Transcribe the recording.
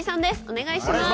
お願いします。